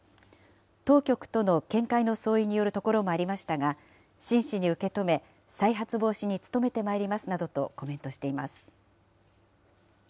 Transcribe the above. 当局との見解の相違によるところもありましたが、真摯に受け止め、再発防止に努めてまいりますなどとコメントしています。